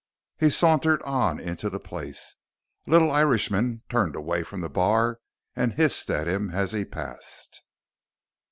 He sauntered on into the place. A little Irishman turned away from the bar and hissed at him as he passed.